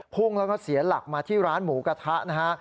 พุ่งแล้วก็เสียหลักมาที่ร้านหมูกระทะนะฮะ